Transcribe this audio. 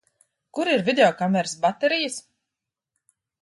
Kur ir videokameras baterijas?